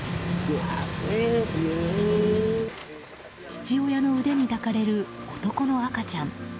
父親の腕に抱かれる男の赤ちゃん。